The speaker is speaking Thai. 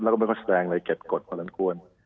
แล้วก็ไม่ค่อยแสดงอะไรเจ็ดกฎพอสมควร